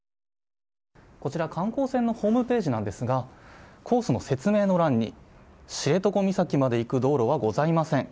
こちら観光船のホームページなのですがコースの説明の欄に知床岬まで行く道路はございません。